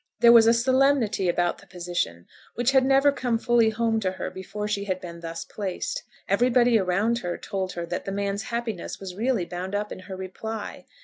There was a solemnity about the position which had never come fully home to her before she had been thus placed. Everybody around her told her that the man's happiness was really bound up in her reply.